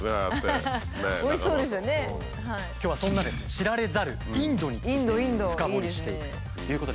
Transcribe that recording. でも今日はそんなですね知られざるインドについて深掘りしていくということです。